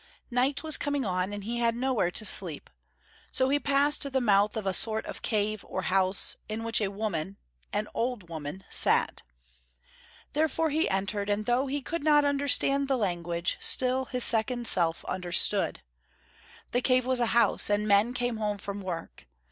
Night was coming on, and he had nowhere to sleep. So he passed the mouth of a sort of cave or house, in which a woman, an old woman, sat. Therefore he entered, and though he could not understand the language, still his second self understood. The cave was a house: and men came home from work.